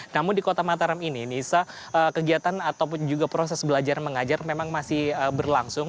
namun di kota mataram ini nisa kegiatan ataupun juga proses belajar mengajar memang masih berlangsung